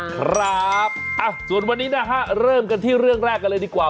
ครับส่วนวันนี้นะฮะเริ่มกันที่เรื่องแรกกันเลยดีกว่า